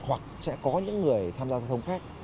hoặc sẽ có những người tham gia giao thông khác